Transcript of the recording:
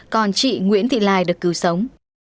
còn chị nguyễn thị lai được cứu sống